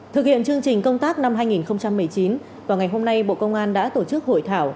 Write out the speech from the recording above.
thực hiện chương trình công tác năm hai nghìn một mươi chín vào ngày hôm nay bộ công an đã tổ chức hội thảo